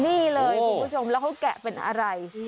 นี่เลยคุณผู้ชมแล้วเขาแกะเป็นอะไร